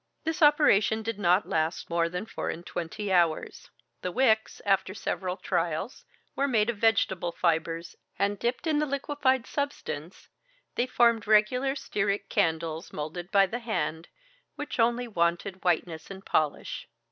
This operation did not last more than four and twenty hours. The wicks, after several trials, were made of vegetable fibers, and dipped in the liquefied substance, they formed regular stearic candles, molded by the hand, which only wanted whiteness and polish.